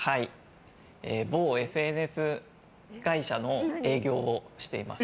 某ＳＮＳ会社の営業をしています。